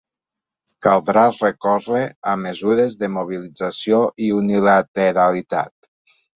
Caldrà recórrer a mesures de mobilització i unilateralitat.